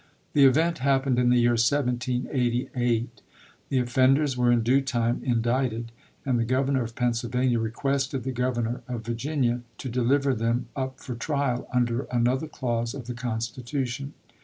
The event happened in the year 1788; the offenders were in due time 1791. indicted, and the Governor of Pennsylvania re quested the Governor of Virginia to deliver them up for trial under another clause of the Constitu tion.